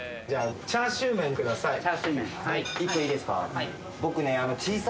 じゃあチャーシューメンください。